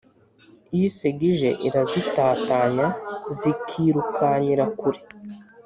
iyo isega ije irazitatanya zikirukanyira kure